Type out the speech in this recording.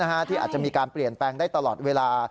ที่อาจจะมีการเปลี่ยนแปลงได้ตลอดเวลา